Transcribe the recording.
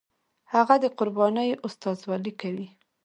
هغه د قربانۍ استازولي کوي.